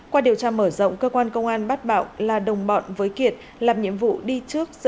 qua điều tra mở rộng cơ quan công an bắt bạo là đồng bọn với kiệt làm nhiệm vụ đi trước xe